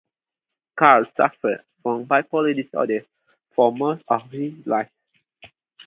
Carr suffered from bipolar disorder for most of his life.